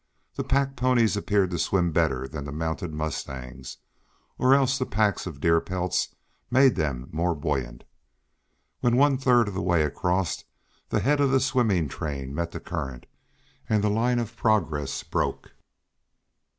The pack ponies appeared to swim better than the mounted mustangs, or else the packs of deer pelts made them more buoyant. When one third way across the head of the swimming train met the current, and the line of progress broke.